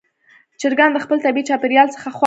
چرګان د خپل طبیعي چاپېریال څخه خوښ دي.